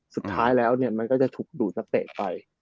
สุดท้ายแล้วเนี่ยมันก็จะถูกดูดนักเตะไป